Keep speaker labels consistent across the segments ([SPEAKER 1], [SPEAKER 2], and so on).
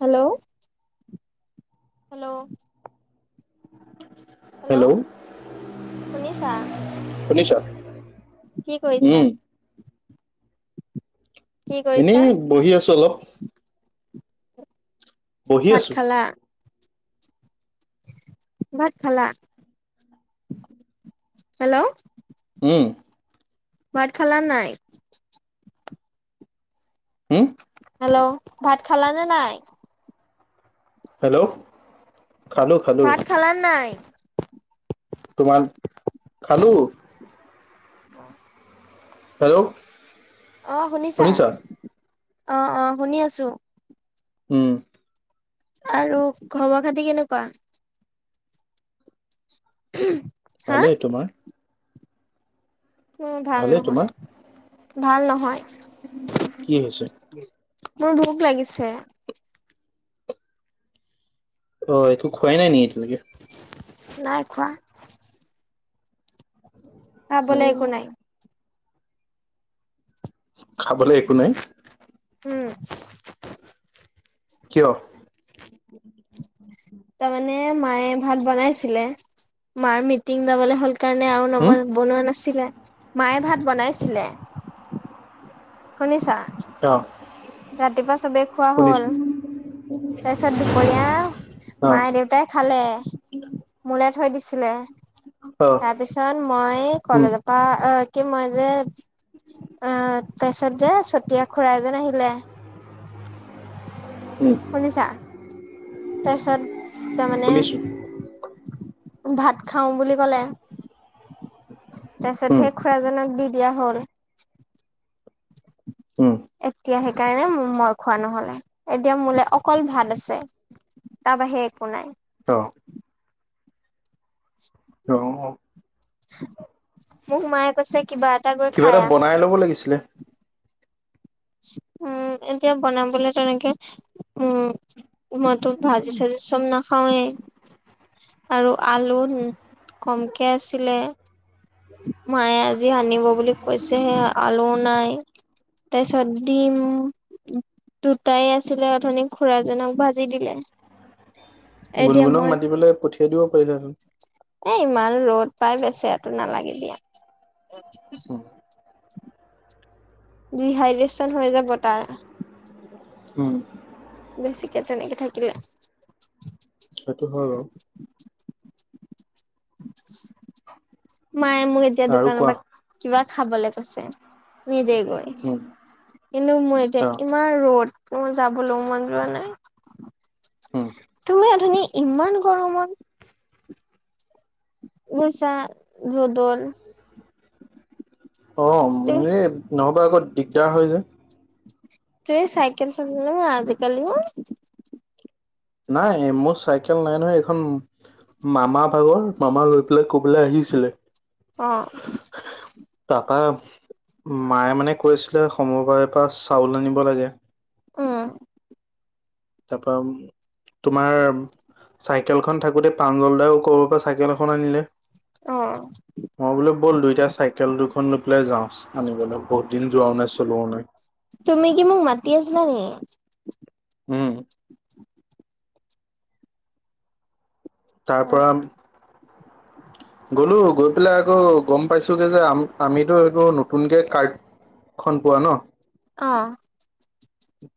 [SPEAKER 1] Hello hello
[SPEAKER 2] [inaudible]
[SPEAKER 1] hello শুনিছা
[SPEAKER 2] শুনিছা
[SPEAKER 1] কি কৰিছা
[SPEAKER 2] উম
[SPEAKER 1] কি কৰিছা
[SPEAKER 2] এনেই বহি আছো অলপ বহি
[SPEAKER 1] ভাত
[SPEAKER 2] আছো
[SPEAKER 1] খালা ভাত খালা হেল্ল'
[SPEAKER 2] উম
[SPEAKER 1] ভাত খালা নাই।
[SPEAKER 2] হম
[SPEAKER 1] হেল্ল' ভাত খালানে নাই?
[SPEAKER 2] হেল্ল' খালো খালো
[SPEAKER 1] ভাত খালানে নাই
[SPEAKER 2] তোমাৰ খালো
[SPEAKER 1] আহ
[SPEAKER 2] হেল্ল'
[SPEAKER 1] অ শুনিছা অ অ শুনি আছো
[SPEAKER 2] উম
[SPEAKER 1] আৰু খবৰ খাতি কেনেকুৱা উম
[SPEAKER 2] ভালেই তোমাৰ
[SPEAKER 1] উ ভাল
[SPEAKER 2] ভালেই
[SPEAKER 1] নহয়
[SPEAKER 2] তোমাৰ
[SPEAKER 1] ভাল নহয়
[SPEAKER 2] কি হৈছে?
[SPEAKER 1] মোৰ ভোক লাগিছে।
[SPEAKER 2] অ একো খোৱাই নাই নি এতিয়ালৈকে।
[SPEAKER 1] নাই খোৱা
[SPEAKER 2] অ
[SPEAKER 1] খাবলে একো নাই
[SPEAKER 2] খাবলৈ একো নাই।
[SPEAKER 1] উম
[SPEAKER 2] কিয়?
[SPEAKER 1] তাৰ মানে মায়ে ভাত বনাইছিলে। মাৰ মিটিং যাবলে হ'ল কাৰণে আৰু
[SPEAKER 2] হম
[SPEAKER 1] নব- বনোৱা নাছিলে। মায়ে ভাত বনাইছিলে। শুনিছা?
[SPEAKER 2] অ
[SPEAKER 1] ৰাতিপুৱা চবেই খোৱা হ'ল।
[SPEAKER 2] শুনিছো
[SPEAKER 1] তাৰপিছত
[SPEAKER 2] অ
[SPEAKER 1] দুপৰীয়া মায়, দেউতাই খালে। মোলে থৈ দিছিলে।
[SPEAKER 2] অ
[SPEAKER 1] তাৰপিছত মই
[SPEAKER 2] উম
[SPEAKER 1] কলেজপা আ কি মই যে অঁ, তাৰপিছত যে চুতিয়া খুড়া এজন আহিলে।
[SPEAKER 2] উম
[SPEAKER 1] শুনিছা? তাৰপিছত তাৰমানে,
[SPEAKER 2] শুনিছো
[SPEAKER 1] ভাত খাওঁ বুলি ক'লে। তাৰপিছত
[SPEAKER 2] উম
[SPEAKER 1] সেই খুড়াজনক দি দিয়া হ'ল।
[SPEAKER 2] উম
[SPEAKER 1] এতিয়া সেইকাৰণে মই খোৱা নহলে। এতিয়া মোলে অকল ভাত আছে। তাৰ বাহিয়ে একো নাই।
[SPEAKER 2] ' [inaudible]
[SPEAKER 1] [inaudible]
[SPEAKER 2] তেওঁলোকক
[SPEAKER 1] মোক মায়ে কৈছে কিবা এট
[SPEAKER 2] কিবা এটা বনাই ল'ব লাগিছিলে?
[SPEAKER 1] উম, এতিয়া বনাবলে তেনেকে, উম মইটো ভাজি -চাজি চব নাখাওঁৱে। আৰু আলু কমকে আছিলে। মায়ে আজি আনিব বুলি কৈছেহে। আলু নাই তাৰপিছত ডিম দুটাই আছিলে অথনি খুড়াজনক ভাজি দিলে। এতিয়া
[SPEAKER 2] গুণগুণক
[SPEAKER 1] মই
[SPEAKER 2] মাতি পেলাই, পঠিয়াই দিব পাৰিলোহেঁতেন।
[SPEAKER 1] এ ইমান ৰ'দ পাই, বেচেৰাটো নালাগে দিয়া।
[SPEAKER 2] উম
[SPEAKER 1] ডিহাইড্ৰেচন হৈ যাব তাৰ।
[SPEAKER 2] উম
[SPEAKER 1] বেছিকে তেনেকে থাকিলে।
[SPEAKER 2] সেইটো হয় বাৰু।
[SPEAKER 1] মায়ে মোক এতিয়া
[SPEAKER 2] আৰু কোৱা
[SPEAKER 1] দোকানৰপা কিবা খাবলে কৈছে, নিজেই গৈ।
[SPEAKER 2] উম
[SPEAKER 1] কিন্তু মোৰ এতিয়া ইমান ৰ'দ, মোৰ যাবলো মন যোৱা নাই। তুমি অথনি ইমান গৰমত গৈছা ৰ'দত!
[SPEAKER 2] অ উম অ এই নহ'বা আকৌ দিগদাৰ হয় যে।
[SPEAKER 1] তুমি চাইকেল চলোৱা ন' আজি-কালিও?
[SPEAKER 2] নাই। মোৰ চাইকেল নাই নহয়। এইখন মামা ভাগৰ, মামা লৈ পেলাই ক'বালে আহিছিলে।
[SPEAKER 1] অ
[SPEAKER 2] তাপা মায়ে মানে, কৈছিলে সমবায়পা চাউল আনিব লাগে।
[SPEAKER 1] ও
[SPEAKER 2] তাপা ম তোমাৰ, চাইকেলখন থাকোতে পাঞ্জলদাও কৰ বাপা চাইকেল এখন আনিলে।
[SPEAKER 1] অ'।
[SPEAKER 2] মই বোলেো ব'ল দুইটা চাইকেল দুখন লৈ পেলাই যাওঁ আনিবলে। বহুত দিন যোৱাও নাই, চলোৱাও নাই।
[SPEAKER 1] তুমি কি মোক মাতি আছিলা নি?
[SPEAKER 2] উম তাৰপৰা- গ'লো। গৈ পেলাই আকৌ গম পাইছোগে যে আমি -আমিটো এইটো নতুনকে কাৰ্ডখন পোৱা ন'।
[SPEAKER 1] অ'।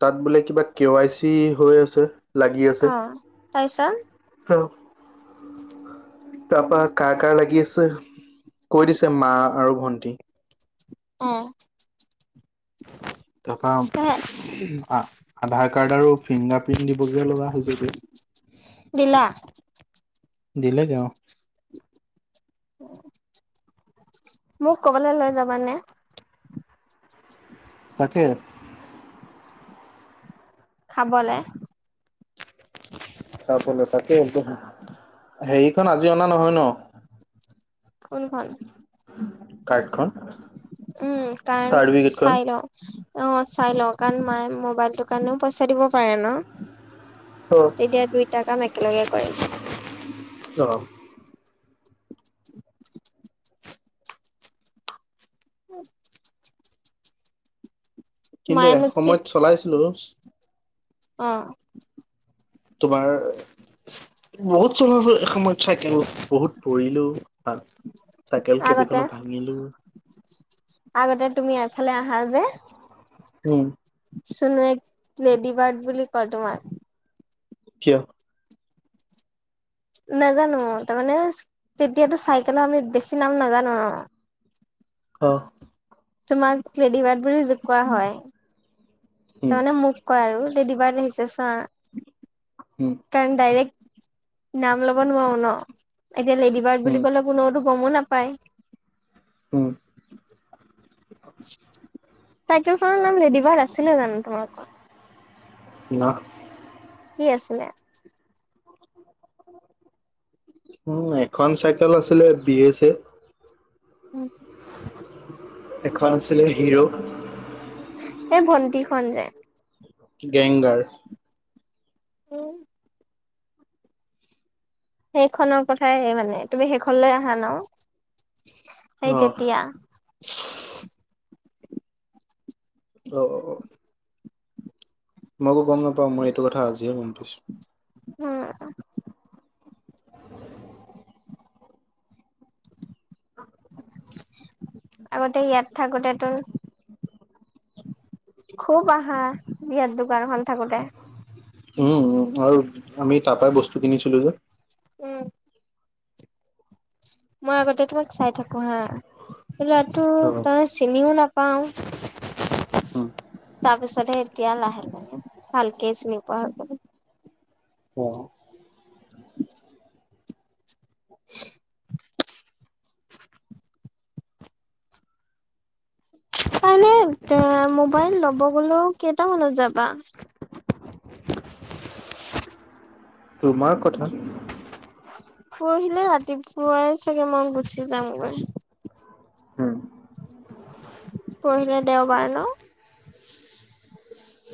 [SPEAKER 2] তাত বোলে কিবা কে-ৱাই-চি হৈ আছে। লাগি
[SPEAKER 1] অ
[SPEAKER 2] আছে।
[SPEAKER 1] তাৰপিছত
[SPEAKER 2] অ
[SPEAKER 1] [inaudible]
[SPEAKER 2] তাৰপা কাৰ কাৰ লাগি আছে, কৈ দিছে মা আৰু ভন্টি।
[SPEAKER 1] অ'।
[SPEAKER 2] তাৰপৰা আধাৰ কাৰ্ড আৰু, ফিংগাৰ প্ৰিণ্ট দিবগে লগা হৈছে যে।
[SPEAKER 1] দিলা
[SPEAKER 2] দিলেগে অ'।
[SPEAKER 1] মোক ক'বালৈ লৈ যাবানে?
[SPEAKER 2] তাকে
[SPEAKER 1] খাবলে
[SPEAKER 2] তাকেই হেৰিখন আজি অনা নহয় ন?
[SPEAKER 1] কোনখন?
[SPEAKER 2] কাৰ্ডখন।
[SPEAKER 1] উম কাৰণ
[SPEAKER 2] চাৰ্টিফিকেটখন
[SPEAKER 1] চাই লও অ' চাই লওঁ, কাৰণ মায়ে মোবাইলটো কাৰণেও পইচা দিব পাৰে ন!
[SPEAKER 2] অ
[SPEAKER 1] তেতিয়া দুইটা কাম একেলগে কৰিম। [inaudible] উম।
[SPEAKER 2] কিন্তু
[SPEAKER 1] মায়ে মোক কি
[SPEAKER 2] এসময়ত চলাইছিলো।
[SPEAKER 1] অ'।
[SPEAKER 2] তোমাৰ, বহুত চলোৱা হ'ল এসময়ত চাইকেল। বহুত পৰিলো, ভ চাইকেল
[SPEAKER 1] আগতে
[SPEAKER 2] কেবেখনো ভাঙিলো।
[SPEAKER 1] আগতে তুমি এফালে আহা যে!
[SPEAKER 2] উম।
[SPEAKER 1] শুন এক বেদী পাট বুলি ক তোমাৰ।
[SPEAKER 2] কিয়!
[SPEAKER 1] নাজানো তাৰমানে তেতিয়াতো চাইকেলৰ আমি বেছি নাম নাজানো ন।
[SPEAKER 2] অ।
[SPEAKER 1] তোমাক কেডিবাট বুলি জোকুৱা হয়।
[SPEAKER 2] উম
[SPEAKER 1] তাৰ মমানে মোক কয় আৰু দেদিবাৰ আহিছে চা।
[SPEAKER 2] উম
[SPEAKER 1] কাৰণ ডাইৰেক্ট নাম লগ। নোৱাৰো ন এতিয়া লেড বাৰ্ড
[SPEAKER 2] উম
[SPEAKER 1] বুলি কলে কোননেওো গমো নাপায়।
[SPEAKER 2] উম
[SPEAKER 1] [unintelligible] চাইকেলখনৰ নাম লেডিবাৰ্ড আছিলে জানো তোমালোকৰ
[SPEAKER 2] ন।
[SPEAKER 1] কি আছিলে।
[SPEAKER 2] উম এখন চাইকেল আছিলে বি এছে এ।
[SPEAKER 1] উম।
[SPEAKER 2] এখন আছিলে হিৰো।
[SPEAKER 1] এই ভণ্টি খ যে।
[SPEAKER 2] গেংগাৰ।
[SPEAKER 1] উম। সেইখনৰ কথাই মানে তুমি সেইখন লৈ আহা ন।
[SPEAKER 2] অ
[SPEAKER 1] সেই তেতিয়াৰ।
[SPEAKER 2] অ। মোকো গম নাপাওঁ মই এইটো কথা আজিহে গম পাইছোঁ।
[SPEAKER 1] উম।
[SPEAKER 2] [unintelligible]
[SPEAKER 1] আগতে ইয়াত থাকোতে ত। খুব আহা বিয়াত দোকানখন থাকোতে।
[SPEAKER 2] উম উ আৰু আমি তাৰ পৰাাই বস্তু কিনিছিলো যে।
[SPEAKER 1] উম। মই আগতে তোমাক চাই থাকো হা। লৰাটো
[SPEAKER 2] অ
[SPEAKER 1] তই চিনিও নাপাও।
[SPEAKER 2] উম
[SPEAKER 1] ছ এতিয়া লাহ লাহে ভাল কে চিনি পোৱা হলো।
[SPEAKER 2] অহ। [unintelligible]
[SPEAKER 1] কাইলৈ এ মোবাইল ল'ব গলেও কেইটামানত যাবা।
[SPEAKER 2] তোমাৰ কথা।
[SPEAKER 1] পৰহিলে ৰাতিপুৱাই চাগে মই গুচি যামগৈ।
[SPEAKER 2] উম।
[SPEAKER 1] পঢ়িল দেওবাৰ। ন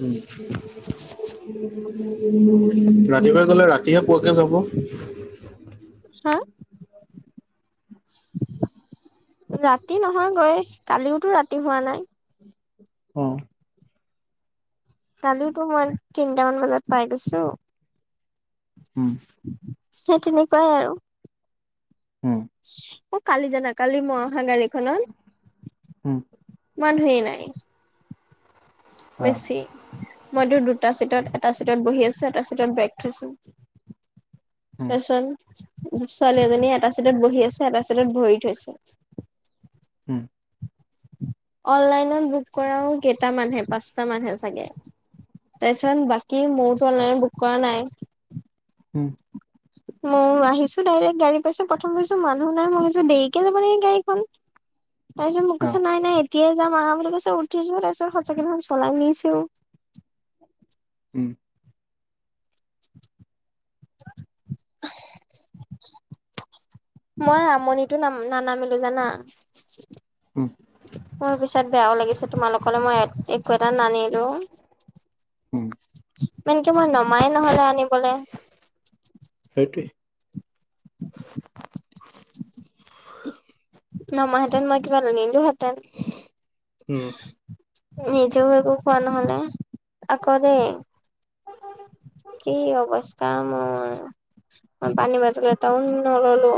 [SPEAKER 2] ৰাতিপুৱা গলে ৰাতিহে পুৱাকে যাব।
[SPEAKER 1] উ [unintelligible]
[SPEAKER 2] [unintelligible]
[SPEAKER 1] হা ৰাতি নহয়গৈ কালিওতো ৰাতি হোৱা নাই।
[SPEAKER 2] অ।
[SPEAKER 1] কালি মই তিনিটামান বজাত পাই গৈছো।
[SPEAKER 2] উম।
[SPEAKER 1] সেই তেনেকুৱাই আৰু।
[SPEAKER 2] সেইটোৱে অ
[SPEAKER 1] অ কালি জানা কালি মই অহা গাড়ীখনত।
[SPEAKER 2] হম।
[SPEAKER 1] মানুহেই নাই। বেছি মই তোৰ দুটা চিটত এটা চিটত বহি আছো এটা চিটত ব্ৰেক থৈছো। এচল ছোৱালী এজনী এটা চিটত বহি আছে এটা চিটত ভৰি থৈছে।
[SPEAKER 2] হম
[SPEAKER 1] অনলাইনত বুক কৰাও কেইটামানহে পাঁচটা মানহে চাগে তাৰছত বাকী মোওতো অনলাইনত বুক কৰা নাই।
[SPEAKER 2] হম
[SPEAKER 1] ময়ো আহিছো ডাইৰেক্ট গাড়ী পাইছো প্ৰথম ভাবিছো মানুহ নাই মই ভাবিছোঁ দেৰিকে যাব নেকি গাড়ীখন তাইচত মোক কৈছে নাই - নাই এতিয়াই যাম আহা বুলি কৈছে উঠিচো তছত সঁচাকে দেখুন চলাই নিছেও
[SPEAKER 2] উম
[SPEAKER 1] [inaudible] মই আমনি তো নাম- নানামিলো জানা মোৰ পিছত বেয়াও লাগিছে তোমালোকলৈ মই একো এটা নানিলো।
[SPEAKER 2] হম
[SPEAKER 1] মেনকে মই নমাই নহ'লে আনিবলে
[SPEAKER 2] সেইটোৱে।
[SPEAKER 1] [inaudible] নমা হেতেন মই কিবা নিলোহেঁতেন
[SPEAKER 2] উম
[SPEAKER 1] নিজেও একো খোৱা নহলে আকৌ দেই কি অৱস্থা মোৰ। পানী- বতল এটাও নল'লো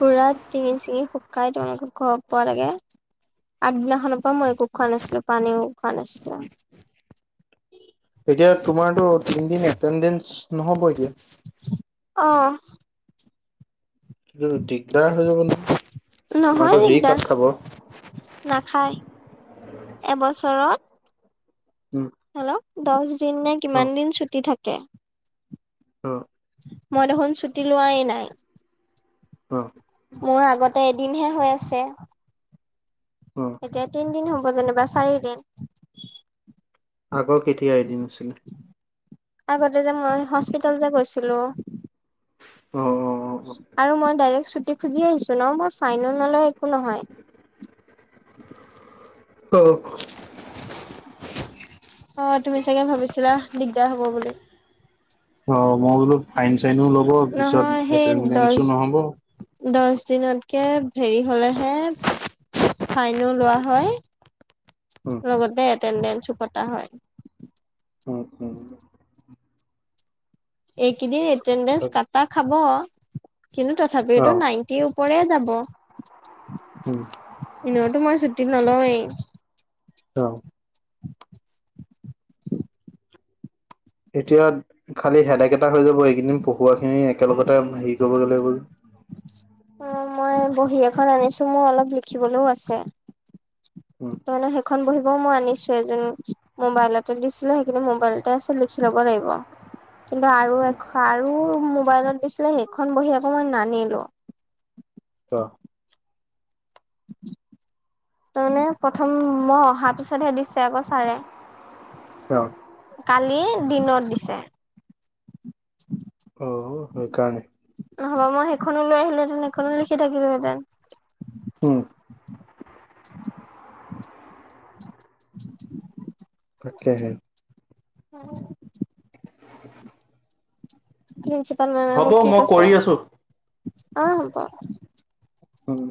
[SPEAKER 1] পুৰা দিঙি- চিঙি শুকাই [unintelligible] ঘ পোৱা লাগে। আগদিনাখনৰ পা মই একো খোৱা নাছিলো পানীও খোৱা নাইছিলো
[SPEAKER 2] এতিয়া তোমাৰতো তিনিদিন এটেডেঞ্চ নহব এতিয়া
[SPEAKER 1] অহ
[SPEAKER 2] দিগদাৰ হৈ যাব
[SPEAKER 1] নহয়
[SPEAKER 2] ন'তোমাৰতো হেৰি কাত খাব
[SPEAKER 1] খাই এবছৰত হেল্ল', দচ দিন নে
[SPEAKER 2] অ
[SPEAKER 1] কিমান দিন ছুটী থাকে
[SPEAKER 2] অ
[SPEAKER 1] মই দেখোন ছুটি লোৱাই নাই
[SPEAKER 2] অ
[SPEAKER 1] মোৰ আগতে এদিনহে হৈ আছে
[SPEAKER 2] অ
[SPEAKER 1] এতিয়া, তিনদিন হ'ব যেনিবা চাৰিদিন।
[SPEAKER 2] আগৰ কেতিয়া এদিন আছিল?
[SPEAKER 1] আগতে যে মই হস্পিতেল যে গৈছিলো
[SPEAKER 2] অ অ অ
[SPEAKER 1] আৰু মই ডাইৰেক্ট ছুটী খুজি আহিছোঁ ন' মোৰ ফাইন নলয় একো নহয়। [inaudible]
[SPEAKER 2] অহ
[SPEAKER 1] অহ, তুমি চাগে ভাবিছিলা দিগদাৰ হব বুলি?
[SPEAKER 2] অ মই বোলো ফাইন -চাইনো ল'ব পিছত
[SPEAKER 1] নহয়
[SPEAKER 2] এটেন্দেঞ্চো নহ'ব।
[SPEAKER 1] দচ দিনতকে হেৰি হ'লেহে ফাইনো লোৱা হয়
[SPEAKER 2] অ অ
[SPEAKER 1] লগতে এটেণ্ডেন্সো পতা হয়। এইকেইদিন এটেনডেঞ্চ কাটা খাব কিন্তু
[SPEAKER 2] অ
[SPEAKER 1] তথাপিতো নাইনটিৰ ওপৰে যাব
[SPEAKER 2] উম
[SPEAKER 1] এনেওতো মই ছু্টীত নলওঁৱেই।
[SPEAKER 2] অ এতিয়া খালি হেদাক এটা হৈ যাব এইকেইদিন পঢ়ুৱা খিনি একেলগতে হে [unintelligible]
[SPEAKER 1] অহ, মই বহী এখন আনিছো মোৰ অলপ লিখিবলৈও আছে।
[SPEAKER 2] উম
[SPEAKER 1] তাৰমানে সেইখন বহী বাৰু মই আনিছোৱে, এজন মোবাইলতে দিছিলে, সেইখিনি মোবাইলতে আছে লিখি ল'ব। ব লাগিব। কিন্তু আৰু এখন আৰু মোবাইলত দিছিলে, সেইখন বহি আকৌ মই নানিলো।
[SPEAKER 2] ত'?
[SPEAKER 1] তাৰমানে প্ৰথম মই অহাৰ পিছতহে দিছে আকৌ ছাৰে।
[SPEAKER 2] অ
[SPEAKER 1] কালি দিনত দিছে।
[SPEAKER 2] সেই কাৰণে
[SPEAKER 1] নহ'বা মই সেইখনো লৈ আহিলোহেঁতেন, সেইখনো লিখি থাকিলোহেঁতেন।
[SPEAKER 2] উম
[SPEAKER 1] [inaudible] [unintelligible]
[SPEAKER 2] তাকেহে।
[SPEAKER 1] অ প্ৰিঞ্চিপাল মেমে
[SPEAKER 2] হ'ব
[SPEAKER 1] মোক কি
[SPEAKER 2] মই
[SPEAKER 1] কৈ!
[SPEAKER 2] কৰি আছো
[SPEAKER 1] অ' হ'ব।
[SPEAKER 2] উম।